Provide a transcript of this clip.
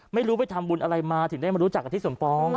ไม่รู้ไปทำบุญอะไรมาถึงได้มารู้จักกับทิศสมปอง